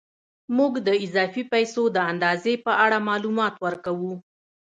موږ د اضافي پیسو د اندازې په اړه معلومات ورکوو